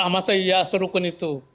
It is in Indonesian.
masa iya serukun itu